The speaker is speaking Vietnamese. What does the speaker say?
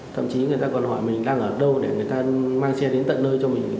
thậm chí người ta còn hỏi mình đang ở đâu để người ta mang xe đến tận nơi cho mình